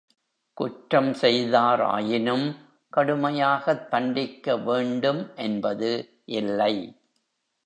குற்றம் செய்தார் ஆயினும் கடுமையாகத் தண்டிக்க வேண்டும் என்பது இல்லை.